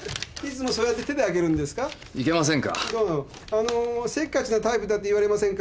あのー「せっかちなタイプ」だと言われませんか。